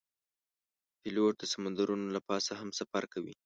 پیلوټ د سمندرونو له پاسه هم سفر کوي.